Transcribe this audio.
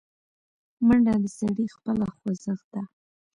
منډه د سړي خپله خوځښت ده